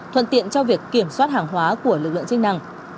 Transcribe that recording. thuận tiện cho việc kiểm soát hàng hóa của lực lượng trinh tế